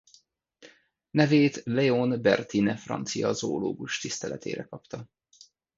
Nevét Léon Bertin francia zoológus tiszteletére kapta.